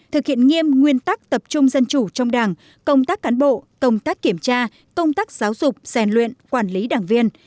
thực hiện nghiêm nguyên tắc tập trung dân chủ trong đảng công tác cán bộ công tác kiểm tra công tác giáo dục rèn luyện quản lý đảng viên